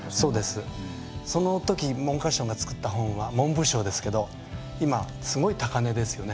そのとき文科省が作った本が文部省ですけど今すごい高値ですよね。